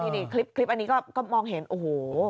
นี่คลิปอันนี้ก็มองเห็นโอ้โห